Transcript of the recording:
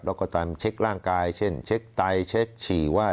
แล้วก็ตามเช็คร่างกายเช่นเช็คไตเช็คฉี่ว่า